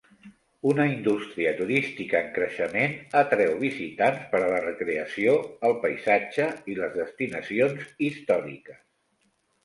Una indústria turística en creixement atreu visitants per a la recreació, el paisatge i les destinacions històriques.